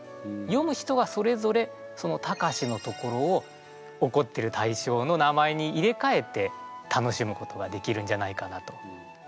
詠む人がそれぞれそのタカシのところをおこってる対象の名前に入れ替えて楽しむことができるんじゃないかなと。